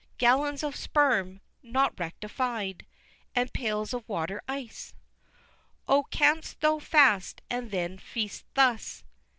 Gallons of sperm not rectified! And pails of water ice! XIX. Oh, canst thou fast and then feast thus?